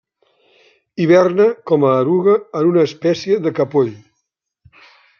Hiberna com a eruga en una espècie de capoll.